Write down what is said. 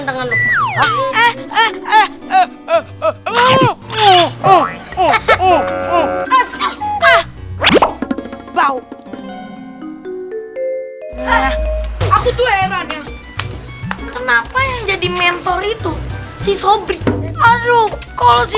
eh ah ah bau aku tuh heran ya kenapa yang jadi mentor itu si sobri aduh kalau